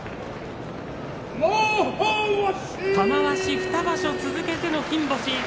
玉鷲、２場所続けての金星。